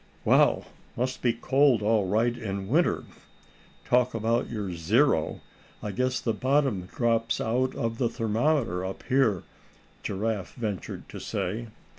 "Wow! must be cold, all right, in winter. Talk about your zero, I guess the bottom drops out of the thermometer up here," Giraffe ventured to say.